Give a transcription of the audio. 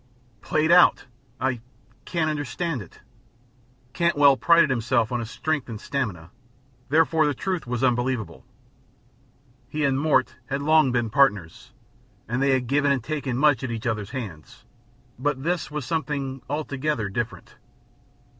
"Played out! I can't understand it." Cantwell prided himself on his strength and stamina, therefore the truth was unbelievable. He and Mort had long been partners, they had given and taken much at each other's hands, but this was something altogether different.